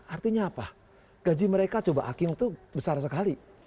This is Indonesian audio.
artinya apa gaji mereka coba hakim itu besar sekali